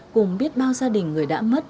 cùng biết bao gia đình người đã mất